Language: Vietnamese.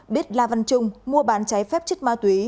biết la văn trung mua bán trái phép chất ma túy